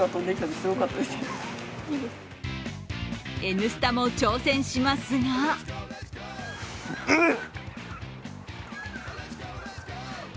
「Ｎスタ」も挑戦しますがんっ！